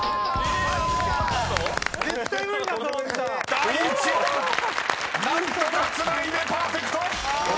［第１問何とかつないでパーフェクト！］